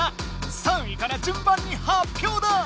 ３位から順番に発表だ！